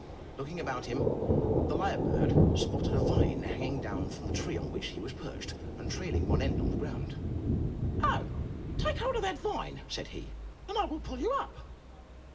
Looking about him, the lyre bird spied a vine hang ing down from the tree on which he was perched, and trailing one end on the ground. "Oh, take hold of that vine," said he, "and I will pull you up."